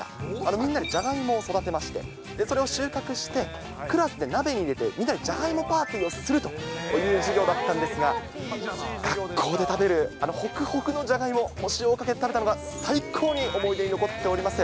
みんなでじゃがいもを育てまして、それを収穫して、クラスで鍋に入れて、みんなでじゃがいもパーティーをするという授業だったんですが、学校で食べる、あのほくほくのじゃがいも、塩をかけて食べたのが最高に思い出に残っております。